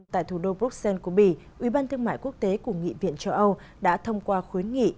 tại thủ đô bruxelles của bỉ ubnd thương mại quốc tế của nghị viện châu âu đã thông qua khuyến nghị